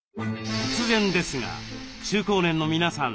突然ですが中高年の皆さん